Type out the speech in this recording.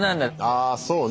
あそうね。